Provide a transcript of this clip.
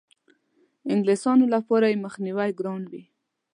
انګلیسیانو لپاره یې مخنیوی ګران وي.